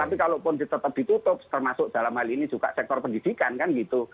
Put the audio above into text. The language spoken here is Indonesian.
tapi kalau pun tetap ditutup termasuk dalam hal ini juga sektor pendidikan kan gitu